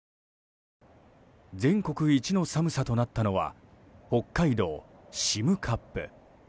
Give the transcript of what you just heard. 全国一の寒さとなったのは北海道占冠。